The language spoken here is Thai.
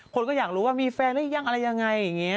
คนก็อยากรู้ว่ามีแฟนหรือยังอะไรยังไงอย่างนี้